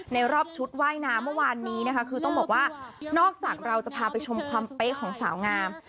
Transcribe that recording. รอบชุดว่ายน้ำเมื่อวานนี้นะคะคือต้องบอกว่านอกจากเราจะพาไปชมความเป๊ะของสาวงาม